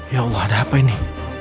ya allah ada apa ini